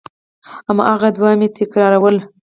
هماغه دعا مې تکراروله.